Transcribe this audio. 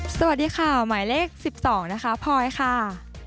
สวัสดีค่ะหมายเลข๑แคลอทค่ะ